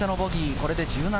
これでー１７。